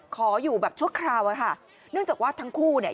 ขออยู่แบบชั่วคราวอะค่ะเนื่องจากว่าทั้งคู่เนี่ย